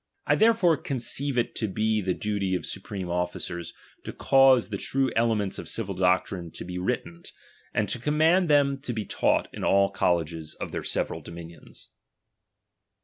I therefore con ceive it to be the duty of supreme officers, to cause the true elements of civil doctrine to be written, and to command them to be taught in all the colleges of their several dominions.